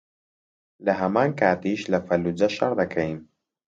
لەهەمان کاتیش لە فەللوجە شەڕ دەکەین